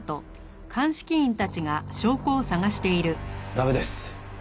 駄目です。